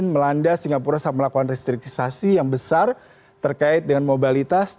melanda singapura melakukan restriksisasi yang besar terkait dengan mobilitas